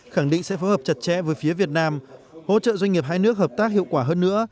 khẳng định sẽ phối hợp chặt chẽ với phía việt nam hỗ trợ doanh nghiệp hai nước hợp tác hiệu quả hơn nữa